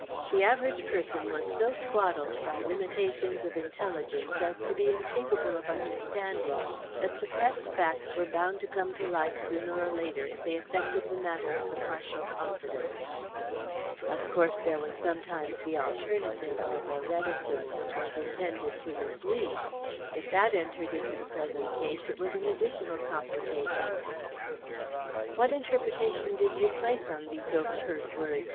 The average person was so swaddled by limitations of intelligence as to be incapable of understanding that suppressed facts were bound to come to light sooner or later if they affected the matter of the partial confidence. Of course, there was sometimes the alternative of a reticence which was intended to mislead. If that entered into the present case it was an additional complication. "What interpretation did you place on these overheard words?"